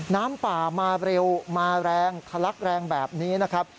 น้ำป่ามาเร็วมาแรงทะลักแรงแบบนี้นะครับ